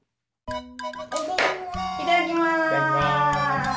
いただきます！